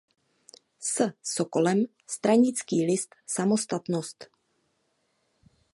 S. Sokolem stranický list "Samostatnost".